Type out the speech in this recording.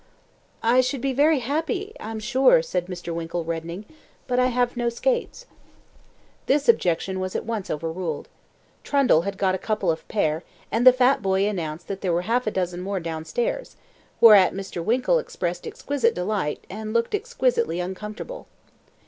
"I should be very happy, I'm sure," said Mr. Winkle, reddening; "but I have no skates." This objection was at once overruled. Trundle had got a couple of pair, and the fat boy announced that there were half a dozen more downstairs, whereat Mr. Winkle expressed exquisite delight, and looked exquisitely uncomfortable.